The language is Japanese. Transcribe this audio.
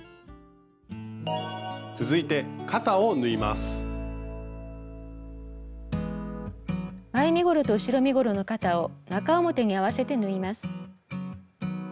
続いて前身ごろと後ろ身ごろの肩を中表に合わせて縫います。